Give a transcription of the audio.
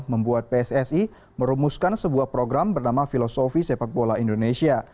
membuat pssi merumuskan sebuah program bernama filosofi sepak bola indonesia